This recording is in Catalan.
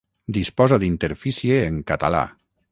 Disposa d'interfície en català.